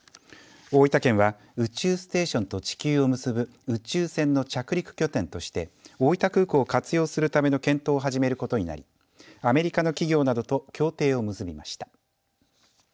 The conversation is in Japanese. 大分県は宇宙ステーションと地球を結ぶ宇宙船の着陸拠点として大分空港を活用するための検討を始めることになりアメリカの企業などと協定を結びました。